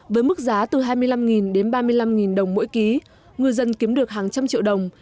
với mức giá từ hai mươi năm đến ba mươi năm đồng mỗi ký ngư dân kiếm được hàng trăm triệu đồng